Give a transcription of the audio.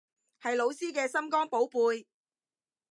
係老師嘅心肝寶貝